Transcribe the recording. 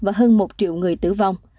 và hơn một triệu người tử vong